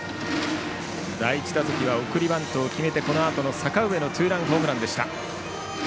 第１打席は送りバントを決めてそのあと阪上のツーランホームランでした。